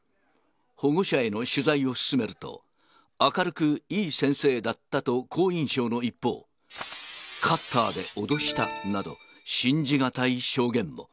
保護者への取材を進めると、明るくいい先生だったと好印象の一方、カッターで脅したなど、信じがたい証言も。